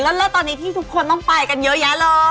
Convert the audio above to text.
แล้วตอนนี้พี่ทุกคนต้องไปกันเยอะแยะเลย